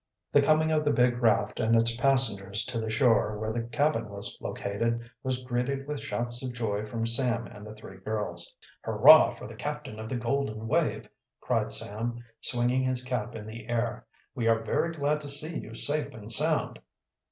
The coming of the big raft and its passengers to the shore where the cabin was located was greeted with shouts of joy from Sam and the three girls. "Hurrah for the captain of the Golden Wave!" cried Sam, swinging his cap in the air. "We are very glad to see you safe and sound."